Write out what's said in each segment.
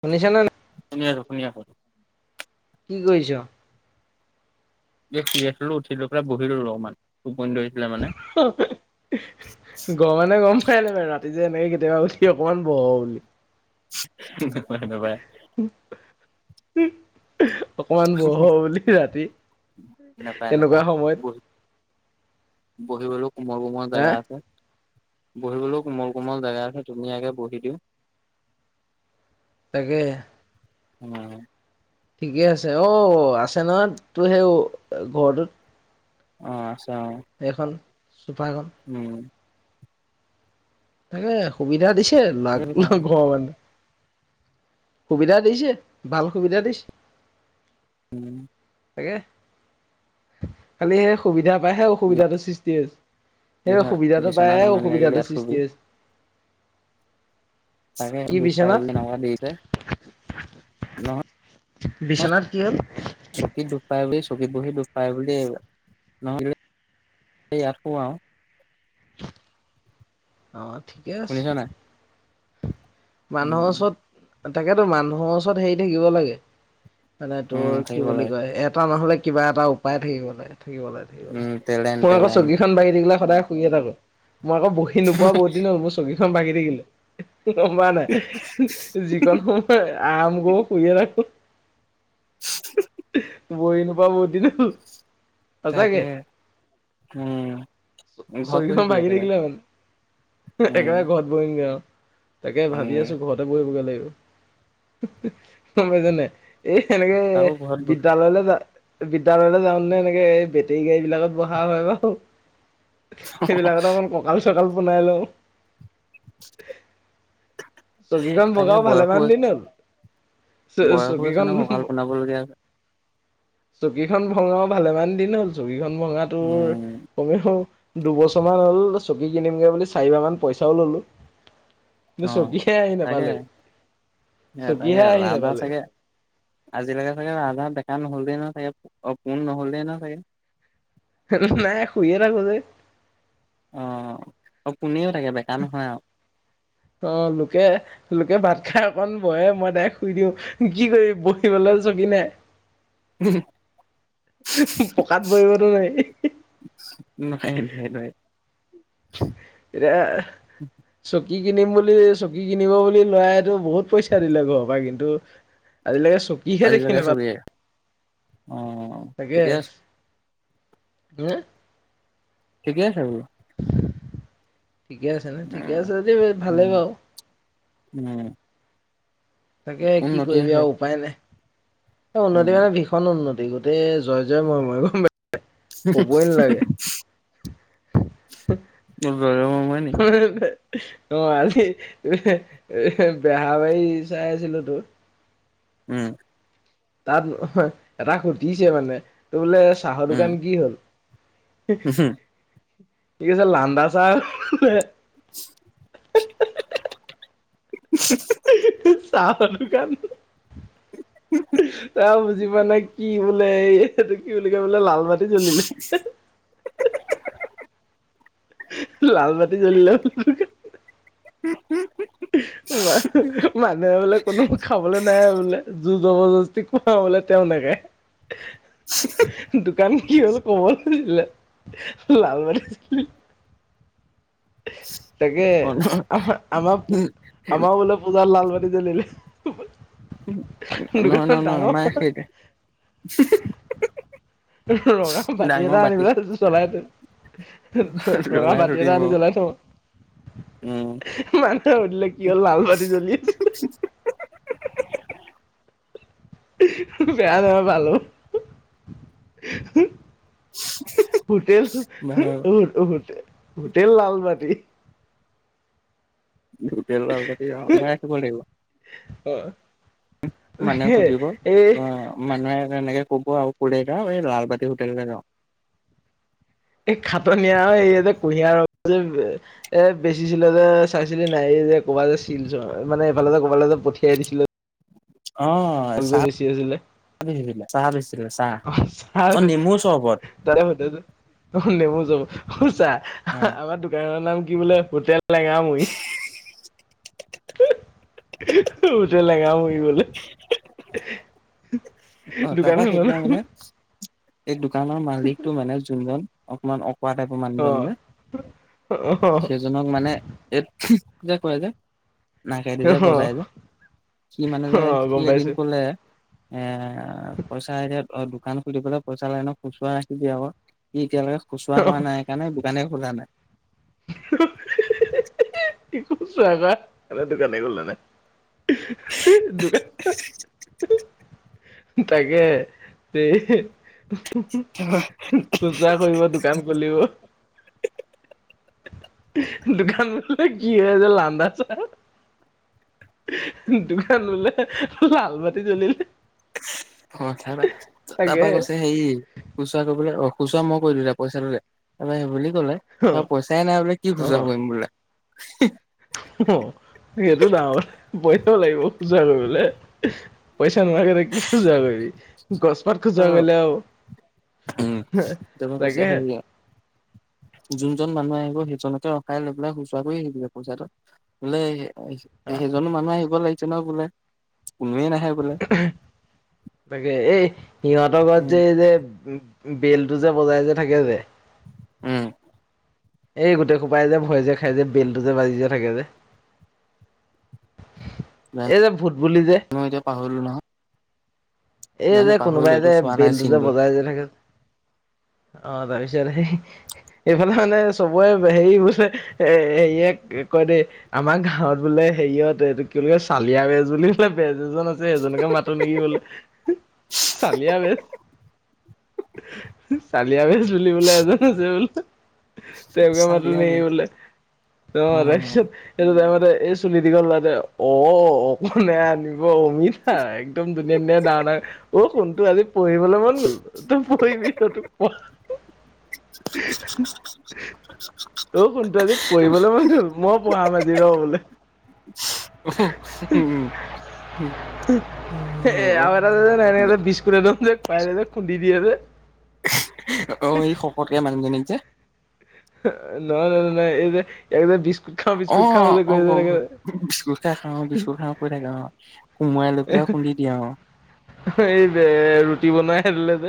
শুনিছা ন ন শুনীয়া আছো শুন আছো। কি কৰিছ এ শ আ উঠিলোৰা বহি ৰলো অমান, গমানে গম পাইলে বাৰু ৰাতি, যে এনেকে কেতিয়াবা উঠি অকমান বৰ হ বুলি। নাপাই নাপাই [unintelligible] অকমান বহো বুলি ৰাতি এনেকুৱা সময়ত। বহিব আৰু সোমাব পৰা হা জেগা আছে। বহিবলৈ কোমল কোমল জেগা আছে ধুনীয়াকৈ বহি দিওঁ। তাগে ন ঠিকে আছে অ আছেনা তই সেই ঘৰটোত অহ চ এখন উম, তাকে সুবিধা দিছে আৰু নাক ঘৰৰ মানুহে। সুবিধা দিছে বাল সুবিধা দিছে। উম, তাকে কালি হে সুবিধা, পায় হে অসুবিধাটো সৃষ্টি হৈছে সেই সুবিধাটো পায় বিচনাত হে আমনি লাগিলে অসুবিধাটো ইয়াত সৃষ্টি শুবি হৈছে। তাকে দুখ পায় বুলি নামাতিছে। বিশ্বনাথ কি হ'ল? তাই বুলি চকীত বহি দুখ পায় বুলি নহলে সেইয়া সুৱাও [unintelligible] অ' ঠিকে আছে। শুনিছ নাই মানুহৰ উম ওচৰত তাকেতো মানুহৰ ওচৰত হেৰি থাকিব লাগে। মানে তোৰ উম কি থাকিব বুলি লাগে কয় এটা মাহলৈ কিবা এটা উপায় থাকিব লাগে। ঠিকেই কলে ঠিকেই কলে উম টেলেণ্ট ফলা গছৰ টেলেণ্ট যিখন বাইড এইগিলা সদায় শুনিয়েই থাকোঁ। মই আগত বহি নোপোৱা বহুত দিনৰ মোৰ চকীখন ভাঙি থাকিলে। তই গম পোৱা নে নাই যিখন সময় আম কৰো শুয়েই ৰাখোঁ। মই নোপোৱা বহু দিন হল। সঁচাকে তাকে উম ঘৰত বহি চকীখন দিয়ে ভাগি একেবাৰে থাকিলে হল। এই কে উম বাৰে ঘৰত বহিমগৈ আৰু। তাকে ভাবি উম আছো ঘৰতে বহিবগৈ লাগিব গম পাইছা নে নাই। এই সেনেকে তাকো ঘৰত বহি বিদ্যালয়লৈ যায়। বিদ্যালয়লৈ যাওঁ নে এনেকৈ এই বেটাৰী গাড়ী বিলাকত বহা পাৰিব। সেইবিলাকত অলপ কঁকাল চকাল পোনাই লওঁ। চকীখন তাকে ভঙাও বয়সো ভালেমান দিন হ'ল। চ বয়সো হৈছে চকীখন ন কঁকাল ব পোনাবলগীয়া আছে। চকীখন ভঙাও ভালেমান দিন হ'ল। চকীখন ভঙাটো মোৰ উম কমেও, দুবছৰমানা হ'ল চকী কিনিমগৈ বুলি চাৰিবাৰ মান পইচাও ললোঁ। অ কিন্ত চকীহে আহি তাকে নাপালে। তাকে চকীহে আৰু আহি আধা নাপালে চাগে আজিলৈকে চাগে আধা তে, কাম হলে না চাগে ও ফোন নহলে না চাগে। সেইটো নাই শুইয়ে আৰু যে। অ' পুনিও থাকে বেকাৰ নহয় আৰু। ত লোকে-লোকে ভাত খাই অকন বহে মই ডাইৰেক্ট শুই দিওঁ কি কৰিবি বহিবলে। চকী নে? [unintelligible] পকাত বহিবটো পাৰি। নোৱাৰি নোৱাৰি নোৱাৰি এৰা চব কি কিনিম বুলি চকী কিনিব বুলি লৈ আহিলোঁ বহুত পইচা দিলে পাপাই ভাই কিন্তু আজিলৈকে চকীহে দেখি আজিলৈকে চবেই নাপালে অ তাকে ঠিকে আছে হে। ঠিকে আছে। ঠিকে আছে ন ঠিকে উম আছে দেই ভালেই বাৰু উম তাকে কি উন্নতি কৰিবি আছে আৰু উপায় নাই উন্নতি উম মানে ভীষণ উন্নতি গোটেই। জয়-জয় মই-মই গম পাই কবই নালাগে। ব [unintelligible] উ [inaudible] অ আ বেহ বাৰী চাই আছিলো তো উম! তাত এটা খুটিছে মানে ত বোলে চাহৰ দোকান কি হ'ল উ হু কি কৈছে লান্দা চা [inaudible] চাম দ কান ত জি মানে কি বোলে এইটো কি বুলি ক বোলে লাল মাতে চলিলে লাল বাাটি জলিল। ম মানুহে বোলে কোনো খাবলৈ নাই আৰু বোলে। [inaudible] কি হ'লো কব নছিলে লাল মছিল। তাকে আমাৰ আমাৰ আমাৰ বোলে পূজাৰ লাল ব লিল ন ন নহ আমাৰ সেইট, ৰঙা বাতি এটা আনিবেলাই চলাই তো ৰঙা জ্বলাই থৈ ভতি এটা দিম আনি আৰু জ্বলাই থওঁ উম মানুহে সুধিলে কি হ'ল লালবাৰী জ্বলি আছে। বেয়া নহয় পালো। হোটেল ভাল হোট হোটেল লালবাটী, দুগি আছ কৰিল হ! মানুহে সুধিব অ মানুহে এনেকে, ক'ব আৰু কোৰে গাও এই লালবতি হোটেলৰে ন এ খাটন আৰু এইয়া যে কুঁহিয়াৰ ৰ যে এ বেচিছিলে যে চাইছিলি নাই? যে ক'বাত যেছিল মানে এইফালে যে ক'বাল যে পঠিয়াই দিছিলো। অ চাহে চাহ বেছি, অ ছাৰ তাৰে ব ত নে চা অ আমাৰ দোকানৰ নাম কি বোলে হোটেল লেঙা মই, উ লগাম কি বল অ তাৰপা সেইদিনা মানে এই দোকানৰ মালিকতটো মানে যোনজন অকমান অকোৱা টাইপৰ অ মানুহদ যে অ সেইজনক মানে এই যে কৰে যে, নাকেদি যে অ বজাই যে সি মানে অ যে সি গম এদিন পাইছো কলে এ আহ পইচা এতিয়া অ দোকান খুলিবলৈ পইচা লাইন খুচৰা নাখিবি আকৌ স এতিয়ালৈকে, খুচা কৰা নাই সেইকাৰণে বোকানে খোধা নাই কি গুছা এনে দোকানে খোল নে দু [inaudible] তাকে এই, খোজু কৰিব দোকান খুলিব দোকানলৈ কি হয় যে লাদ চ, দুকান বোলে লাল বাতি জ্বলিলে অ তাৰপা তাকে তাৰপৰা কৈছে হেৰি খুচৰা কলৈ অ খুচুৰা মই কৰি দিোতিয়া পইচাটো তাৰেই বুলি কলে অ পইচাই নাই বোলে কি অ খোচুৰাা কৰিম বোলে। উ! অ সেইটো ডাঙৰ পইচাও লাগিব খোজা কৰিবলে। পইচা নোহাকলে কি খোজুৱা কৰি গছপাত খোজা কৰিলে আ উম এ পৰা কৈছে হে যোনজন মানুহ আহিব। সেইজনকে ৰখাই লৈ পেলাই সুচুাকুয়ে আহি দিলে পইচাটো বোলে অ' সেইজনো মানুহ আহিব লাগিব। বোলে কোনোৱে নাই। তাকে এই সিহতৰ ঘৰত উম যে এই যে উ বেলটো যে বজাই যে থাকে যে। উম। এই গোটেই খোপাই যে ভয় যে খাই যে বেলটো যে বাজি যে থাকে যে। এই জানো যে ভূত বুলি যে এতিয়া পাহৰিলো নহয় এই জানো যে পাহৰিলো কোনোবাই এইটো যে চোৱা নাই বেলটো যে চিনটো বজাই যে থাকে। অ, তাৰ পিছাৰে এইফালে মানে চবৰে হেৰি বোলে এ হেৰিয় কয় দেই আমাৰ গাঁৱত বোলে। হেৰিয়তে এইটো কি ক চালিয়া বেজ বুলি বোলে বেজ এজন আছে সেইজনকে মাতো নেকি বোলে। চালিয়া বেজ চালি। পিয়া বেজ বুলি বোলে এজন আছে বোলে তেওঁককে মাতো চালিয়া বে নেকি বোলে। অ ৰা এইটো তাইমত এই চুলি দীঘল লতে অ অকণনে আনিব অমিতা। ধুনীয়া ধুনীয়া ডাঙৰ অ শুনটো আজি পঢ়িবলৈ মন গ'ল তই পঢ়িবি [unintelligible] অ কোনটো আজি পঢ়িবলৈ মন হ'ল মই পঢ়াম আজি। উম, উম, অ' [unintelligible] [unintelligible] ন এনে বিস্কুট নম দে পাই দে খুন্দি দিয়েযে। অ এই শকতকে মানুহজনীক যে ন ন ন নাই এই যে বিস্কুট খাওঁ অ বিস্কুট খাওঁ যে অ কৈ যে এনেকে যে। বিস্কুট খাই খাওঁ অ বিস্কুট খাওঁ কৈ থাকে অ কোমোৰাাই লৈ পেলাই। খুন্দি দিয়ে অ'। এই এ ৰুটি বনাই আনিলে।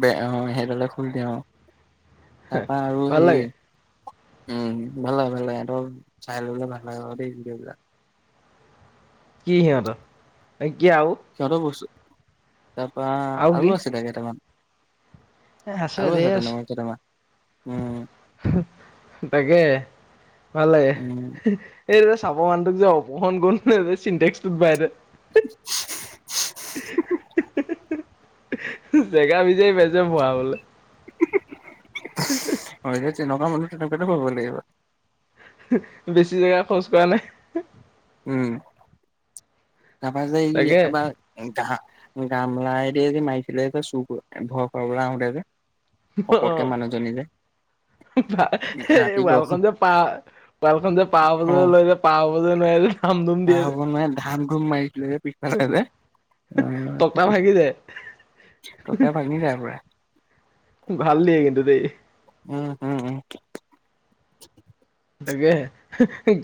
বে অ সেইডাললে খুলি দিওঁ তাৰপা আৰু ভাল সেই লাগে উম ভাল হয় ভাল হয়ঁ চাই ললে ভাল হয় দেই দোক কি সিহতৰ? [unintelligible] তাৰ পৰা আৰু আছিল তাৰ কেইটামান। আৰু আছে তেনে কেইটামান। উম। তাকে ভালে। উম, এই চাব মানুহোক যে অপহণ গোন চিটেক্সটোত বাইৰে। [inaudible] জেগা বিজাৰি বেছে ভৰাবলৈ। হয় যে তেনেকুৱা মানুহ তেনেকুৱো ভাব লাগিব। বেছি জেগা খৰচ কৰা নাই। উম গাবা যায় তাকে এবাৰ গাহ গামলা এ য মাইছিলে চু ভয় খাব গো যে সকতকে মানুহজনী যে। ৰাতি দৰ্শন ৱালখনন যে পাহ ৱালখনন যে পাহ বজ লৈ পাহ [unintelligible] [unintelligible] খ হ'ব নোৱাৰে ধান ধুম মাৰিছিলে যে পিছফালে যে আহ তক্তা [unintelligible] ভাগি যায় ত তাই ভাগনি ত পৰা। ভাল নিয়ে কিন্তু দেই। উম উম উম। তাকে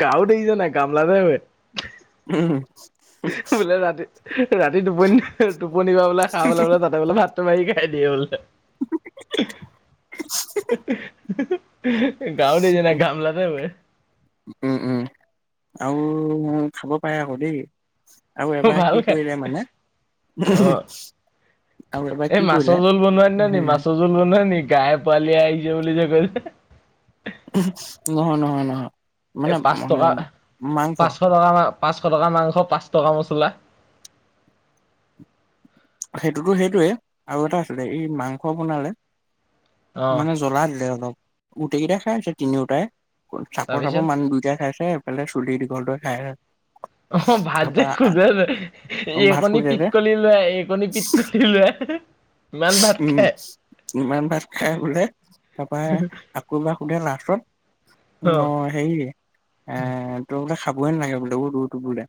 গাৱতছ নাই কামলাতে। উম। বোলে ৰাতি ৰাতি টোপনি টোপনিবা বোলে খাব বেললে বোলে তাতে বোলে ভাত। তোমাৰ খাই দিয়ে বল উ উম উম আৰু খাব পাৰে আকৌ দেই আৰু এবাৰ ভাল কি খাই কৰিলে মানে অ আৰু এবাৰ এই কি কৰিলে মাছৰ জোল বনোৱা দিনা নি হেৰি মাছৰ জোল বনোৱাই নেকি গাই পালি আহিছে বুলি বুলি যে কৈছে নহয় নহয় নহয় এ মানে পাঁচ টকা মাংস পাঁচশ টকা মান পাঁচশ টকা মাংস পাঁচশ টকা মছলা সেইটোতো সেইটোৱে আৰু এটা আছিলে এই মাংস বনালে অ', মানে জ্বলা দিলে অলপ গোটেইকেইটাই খাইছে তিনিওটাই চাপৰ তাৰপিছত চাপৰ মানুহ দুইটাঈ খাইছে এইফালে চুলি দীঘল টোৱে খাই অ ভাত তাৰপা যে খোজে ভাত এইকণী সোধে যে পিতকলি লৰাই এইকণি পিট কণী লৰাই উম ইমান ভাত খাই বুলে তাৰপৰা আকৌ এবাৰ সোধে লাষ্টত অ হেৰি এ তোৰ বোলে খাবই নালাগে বোলে লে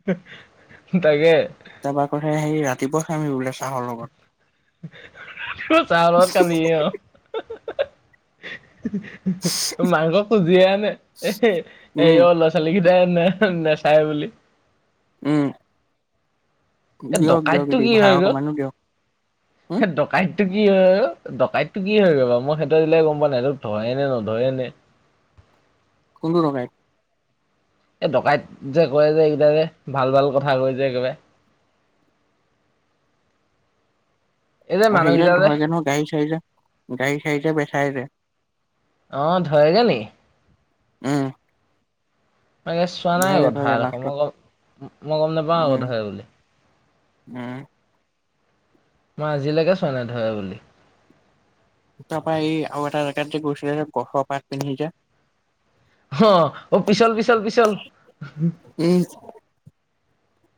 তাকে তাব কথাে সেই ৰাতিপুৱা খামহি বোলে চাহৰ লগত চাহ লগত খাবিহি অ মাংস খুজিয়ে আনে এ এ উম অ ল'ৰা ছোৱালীখিনি ন নাই নাই চাই বুলি উম এই দিয়ক দিয়ক ডকাইতটো দি কি হৈ ভাড়া গল অকমানো দিয়ক উম ডকাইত টো কি হয় আৰু ডকাইতটো কি হৈ গ' মই সেইটো আজিলে গম পোৱা নাই সে ধৰে ননে নধৰেনে কোনটো ডকাইত এই ডকাইত যে কয় যে এইকেইটাৰে ভাল ভাল কথা কৈ যে একেবাৰে [inaudible] এই যে অ মানুহকেইটা সেইকেইটাক যে ধৰেগৈ নহয় গাড়ী চাৰিটা বেচাই যে অ ধৰে গে নি উম মে চোৱা নাই ধৰেগে আকৌ ধৰেগে ধৰাডোখৰ লাষ্টত মই মই গম নেপাওঁ আকৌ উম ধৰে বুলি উম মই আজিলৈকে চোৱা নাই ধৰে বুলি তাৰপৰা এই আৰু এটা জেগাত যে গৈছিলে যে গছ পাত পিন্ধি যে অ অ পিছল পিছল পিছল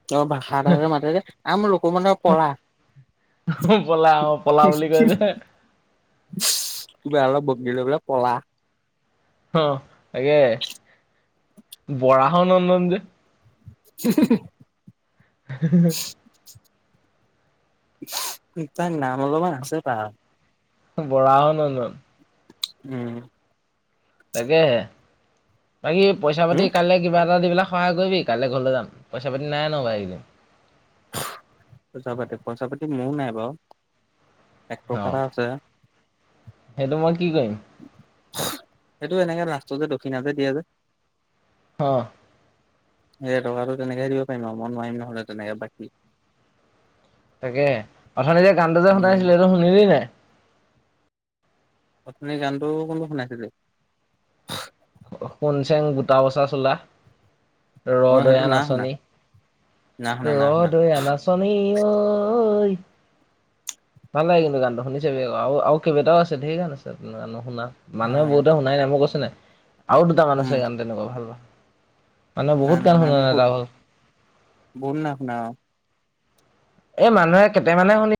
ত ভাষা এটা মাতে যে আম লোক মানে পলা পলা অ পলা বুলি কয় যে [unintelligible] লৈ বলে পলা অ তাকে বৰা হ নন্দন যে [inaudible] [unintelligible] তাৰ নাম অলপমান আছে পা বৰাহ নন্দন উম তাকেহে বাকী পইচা পাতি হম কাইলৈ কিবা এটা দি পেলাই সহায় কৰিবি কাইলৈ ঘৰলৈ যাম পইচা পাতি নাই ন ব পইচা পাতি পইচা পাতি মোৰো নাই বা এক অ টকা এটা আছে সেইটো মই কি কৰিম সেইটো এনেকে লাষ্ট যে দক্ষিণা যে দিয়ে যে হ। এ টকাটো তেনেকে দিব পাৰিম আৰু মই নোৱাৰিম নহ'লে তেনেকে বাকী তাকে অথনি যে গানটো যে উম শুনাইছিলে এইটো শুনিলি নাই? অথনি গানটো কোনটো শুনাইছিলেই? সোণ চেং গোটা বচা চোলা, ৰ অ সেইটো দয়া না শুনা নাচনী। না শুনা ৰ না শুনা দয়া নাচনী ঐ ভাল লাগে কিন্তু গানটো শুনিছাবি আক আৰু আৰু কেইবাটাও আছে ঢেৰ গান আছে ত গান নুশুনা অ মানুহে বহুতে শুনাই নাই, মই কৈছো নাই আৰু দুটামান উম আছে গান তেনেকুৱা ভাল লগা নাই নাই নাই বহুত, ভাগৰ বম নাই শুনা অ' এ মানুহে কেইটামানে শুনি